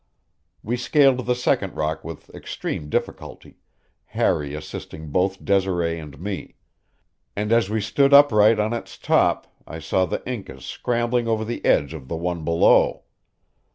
We scaled the second rock with extreme difficulty, Harry assisting both Desiree and me; and as we stood upright on its top I saw the Incas scrambling over the edge of the one below.